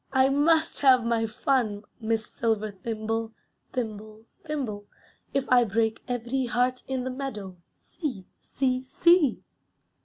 I must have my fun, Miss Silverthimble, thimble, thimble, if I break every heart in the meadow, see, see, see!